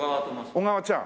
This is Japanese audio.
小川ちゃん。